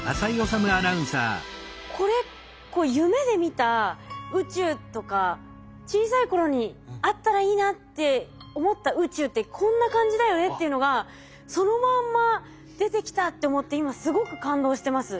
これ夢で見た宇宙とか小さい頃にあったらいいなって思った宇宙ってこんな感じだよねっていうのがそのまんま出てきたって思って今すごく感動してます。